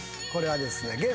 これはですね